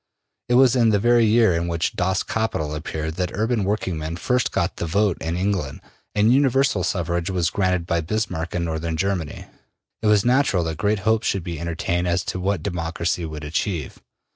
It was in the very year in which ``Das Kapital'' appeared that urban working men first got the vote in England and universal suffrage was granted by Bismarck in Northern Germany. It was natural that great hopes should be entertained as to what democracy would achieve.